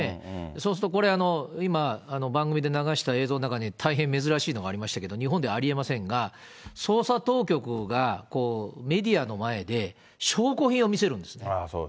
そうするとこれ、今、番組で流した映像の中に大変珍しいのがありましたけど、日本ではありえませんが、捜査当局がこう、メディアの前で証拠品を見せるんですね。